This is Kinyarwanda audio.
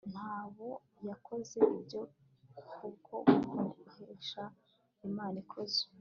ntabo yakoze ibyo kubwo guhesha imana ikuzo